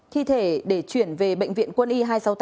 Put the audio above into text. thi thể để chuyển về bệnh viện quân y hai trăm sáu mươi tám